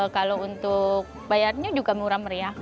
kalau untuk bayarnya juga murah meriah